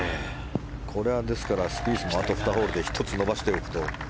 これはスピースもあと２つのホールで１つ伸ばしていくと。